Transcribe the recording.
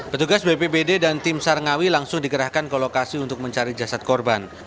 petugas bppd dan tim sarengawi langsung digerahkan ke lokasi untuk mencari jasad korban